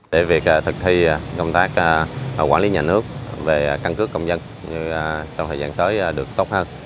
để việc thực thi công tác quản lý nhà nước về căn cước công dân trong thời gian tới được tốt hơn